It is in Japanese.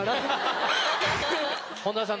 本田さん